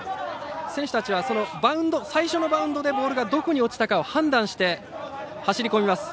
選手たちは最初のバウンドでボールがどこに落ちたかを判断して走りこみます。